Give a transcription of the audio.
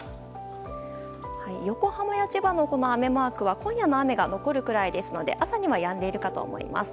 横浜や千葉の雨マークは今夜の雨が残るくらいなので朝にはやんでいるかと思います。